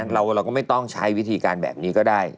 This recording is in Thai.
เราก็ไม่ต้องใช้วิธีการแบบนี้ก็ได้